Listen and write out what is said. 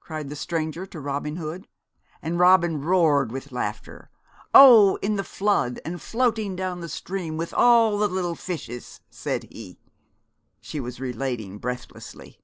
cried the Stranger to Robin Hood. And Robin roared with laughter. 'Oh, in the flood, and floating down the stream with all the little fishes,' said he " she was relating breathlessly.